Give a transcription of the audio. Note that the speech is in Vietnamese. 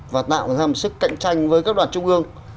và tạo ra một sức cạnh tranh với các đoàn trung ương